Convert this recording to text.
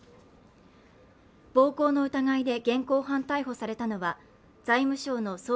暴行の疑いで現行犯逮捕されたのは、財務省の総括